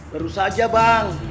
baru saja bang